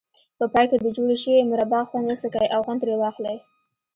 په پای کې د جوړې شوې مربا خوند وڅکئ او خوند ترې واخلئ.